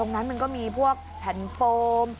มันก็มีแผ่นโฟม